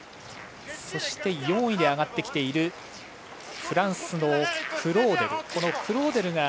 そして４位で上がってきているフランスのクローデル。